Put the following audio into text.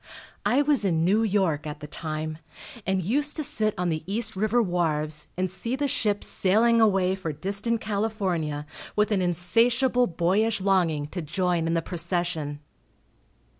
I was in New York at the time, and used to sit on the East river wharves, and see the ships sailing away for distant California with an insatiable boyish longing to join in the procession.